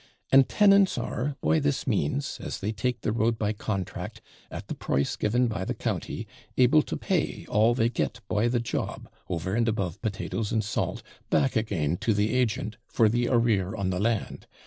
And tenants are, by this means, as they take the road by contract, at the price given by the county, able to pay all they get by the job, over and above potatoes and salt, back again to the agent, for the arrear on the land.